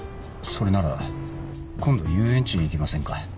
それなら今度遊園地に行きませんか？